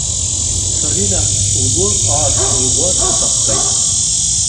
Сарина лгәы аасырӷәӷәарц сҭаххеит.